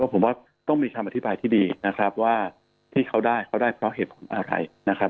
ผมว่าต้องมีคำอธิบายที่ดีนะครับว่าที่เขาได้เขาได้เพราะเหตุผลอะไรนะครับ